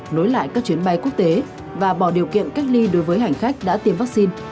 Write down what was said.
nối lại các chuyến bay quốc tế và bỏ điều kiện cách ly đối với hành khách đã tiêm vaccine